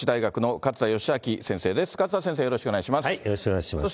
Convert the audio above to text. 勝田先生、よろしくお願いします。